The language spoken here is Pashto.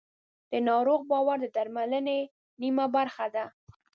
د ناروغ باور د درملنې نیمه برخه ده.